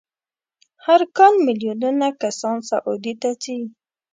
هر کال میلیونونه کسان سعودي ته ځي.